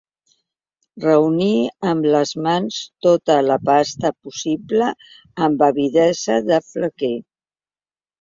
Reunir amb les mans tota la pasta possible amb avidesa de flequer.